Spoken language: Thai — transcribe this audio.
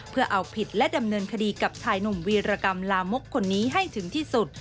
เพื่อเอาผิดและดำเนินคดีกับชายหนุ่มวีรกรรมลามกคนนี้ให้ถึงที่สุด